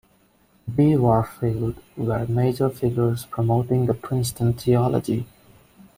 B. Warfield were major figures promoting the Princeton Theology.